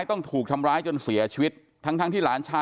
กลุ่มวัยรุ่นกลัวว่าจะไม่ได้รับความเป็นธรรมทางด้านคดีจะคืบหน้า